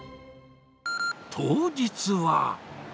当日は。